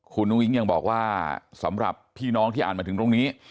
คุณอุ้งยังบอกว่าสำหรับพี่น้องที่อ่านมาถึงตรงนี้